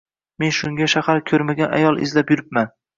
Men shunga shahar ko‘rmagan ayol izlab juribman